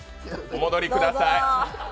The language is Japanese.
お戻りください。